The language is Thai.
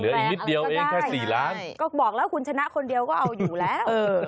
อีกนิดเดียวเองแค่สี่ล้านก็บอกแล้วคุณชนะคนเดียวก็เอาอยู่แล้วเออ